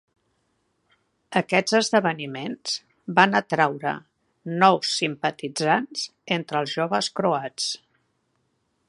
Aquests esdeveniments van atraure nous simpatitzants entre els joves croats.